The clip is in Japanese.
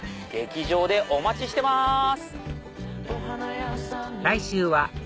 劇場でお待ちしてます！